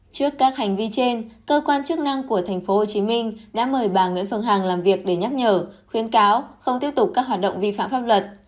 trước các hành vi trên cơ quan chức năng của tp hcm đã mời bà nguyễn phương hằng làm việc để nhắc nhở khuyến cáo không tiếp tục các hoạt động vi phạm pháp luật